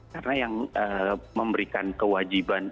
karena yang memberikan kewajiban